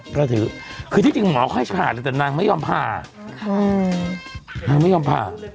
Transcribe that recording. ก็คือที่จริงหมอค่อยผ่าเลยแต่นางไม่ยอมผ่านางไม่ยอมผ่า